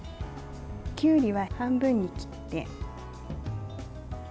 きゅうりは半分に切って。